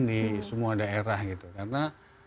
di semua daerah karena